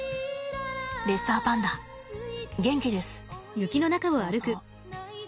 レッサーパンダ元気です。草々。